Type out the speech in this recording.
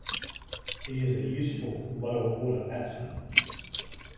He is a useful lower-order batsman.